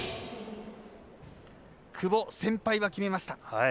久保、先輩は決めました。